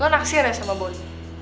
lu naksir ya sama boy